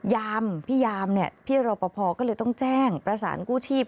ยามพี่ยามเนี่ยพี่รอปภก็เลยต้องแจ้งประสานกู้ชีพ